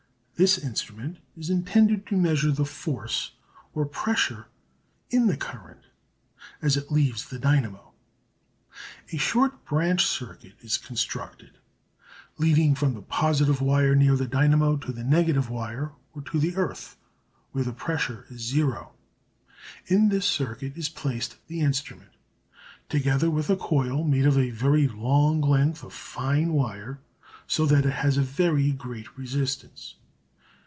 This instrument is intended to measure the force or pressure in the current as it leaves the dynamo. A short branch circuit is constructed, leading from the positive wire near the dynamo to the negative wire, or to the earth, where the pressure is zero. In this circuit is placed the instrument, together with a coil made of a very long length of fine wire so that it has a very great resistance.